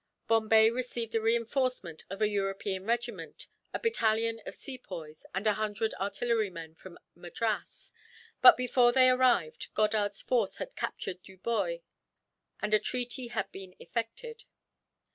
Bombay received a reinforcement of a European regiment, a battalion of Sepoys, and a hundred artillerymen, from Madras; but before they arrived Goddard's force had captured Dubhoy, and a treaty had been effected.